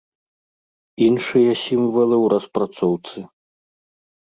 Іншыя сімвалы ў распрацоўцы.